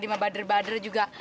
dima bader bader juga